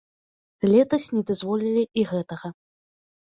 Летась не дазволілі і гэтага.